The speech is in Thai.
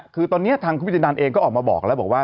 คือตอนนี้ทางคุณพิตินันเองก็ออกมาบอกแล้วบอกว่า